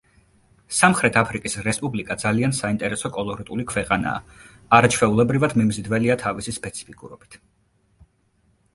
სამხრეთ აფრიკის რესპუბლიკა ძალიან საინტერესო კოლორიტული ქვეყანაა, არაჩვეულებრივად მიმზიდველია თავისი სპეციფიკურობით.